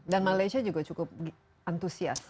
dan malaysia juga cukup antusias